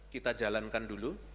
kita jalankan dulu